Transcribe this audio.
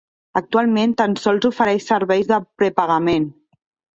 Actualment, tan sols ofereix serveis de prepagament.